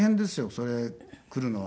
それ来るのは。